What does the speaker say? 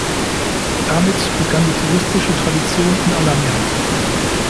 Damit begann die touristische Tradition in Alanya.